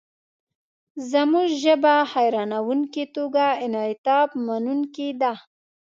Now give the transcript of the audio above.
زموږ ژبه حیرانوونکې توګه انعطافمنونکې ده.